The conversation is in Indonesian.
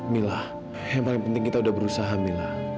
mila yang paling penting kita sudah berusaha mila